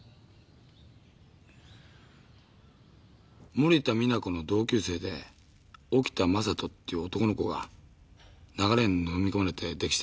森田実那子の同級生で沖田将人っていう男の子が流れに飲み込まれて溺死体で見つかった。